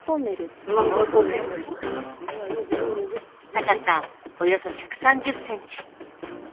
高さおよそ１３０ｃｍ。